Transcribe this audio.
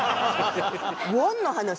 ウォンの話？